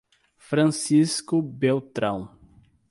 Francisco Beltrão